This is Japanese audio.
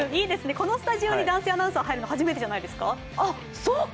このスタジオに男性アナウンサーが入るの、初めてじゃないですか。